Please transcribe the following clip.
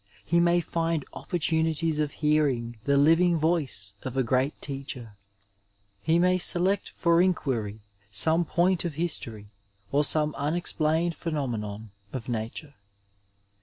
He may find opportunities of hearing the living voice of a great teacher. He may select for inquiiy some point of history, or some unexplained phenomenon of nature.